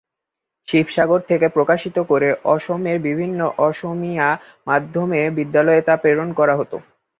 শিবসাগর থেকে প্রকাশিত করে অসমের বিভিন্ন অসমীয়া মাধ্যমের বিদ্যালয়ে তা প্রেরন করা হত।